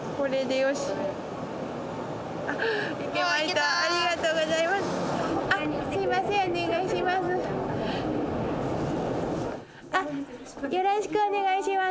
よろしくお願いします。